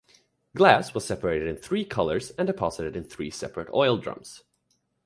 Glass was separated in three colors and deposited in three separate oil drums.